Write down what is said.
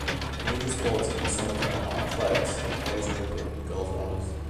Major sports in the summer term are athletics, boys' cricket and girls' rounders.